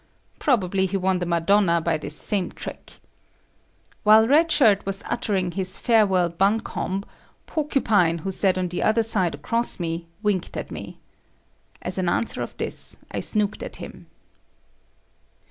Probably he won the Madonna by this same trick. While Red Shirt was uttering his farewell buncomb, Porcupine who sat on the other side across me, winked at me. As an answer of this, I "snooked" at him.